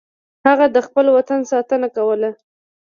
هغه د خپل وطن ساتنه کوله.